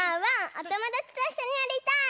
おともだちといっしょにやりたい！